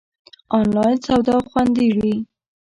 آنلاین سودا خوندی وی؟